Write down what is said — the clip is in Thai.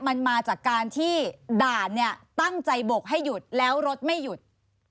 มันมาจากการที่ด่านเนี่ยตั้งใจบกให้หยุดแล้วรถไม่หยุด